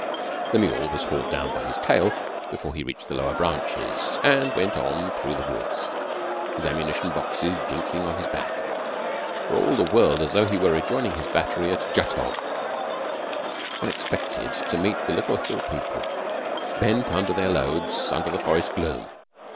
The mule was hauled down by his tail before he had reached the lower branches, and went on through the woods, his ammunition boxes jinking on his back, for all the world as though he were rejoining his battery at Jutogh. One expected to meet the little Hill people bent under their loads under the forest gloom.